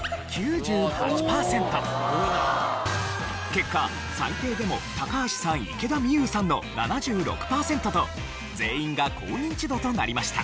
結果最低でも高橋さん池田美優さんの７６パーセントと全員が高ニンチドとなりました。